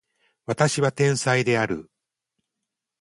私は天才である